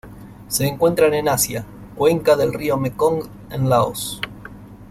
Se encuentran en Asia: cuenca del río Mekong en Laos.